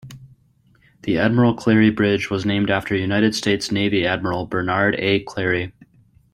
The Admiral Clarey bridge was named after United States Navy Admiral Bernard A. Clarey.